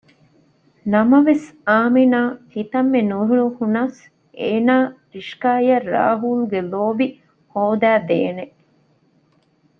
ނަމަވެސް އާމިނާ ކިތަންމެ ނުރުހުނަސް އޭނާ ރިޝްކާއަށް ރާހުލްގެ ލޯބި ހޯދައިދޭނެ